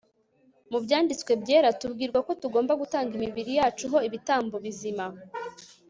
mu byanditswe byera tubwirwa ko tugomba gutanga imibiri yacu ho ibitambo bizima